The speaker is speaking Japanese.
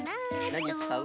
なにつかう？